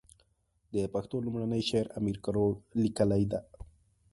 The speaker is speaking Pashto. د پښتو لومړنی شعر امير کروړ ليکلی ده.